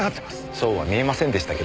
そうは見えませんでしたけど？